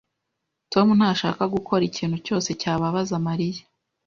Tom ntashaka gukora ikintu cyose cyababaza Mariya